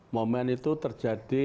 momen itu terjadi